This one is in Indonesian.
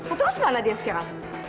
untuk mana dia sekarang